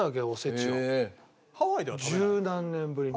十何年ぶりに。